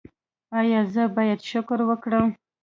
ایا زه باید شکر وکړم؟